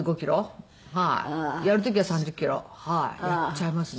やる時は３０キロやっちゃいますね。